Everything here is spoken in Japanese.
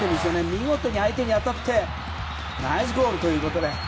見事に相手に当たってナイスゴールということで。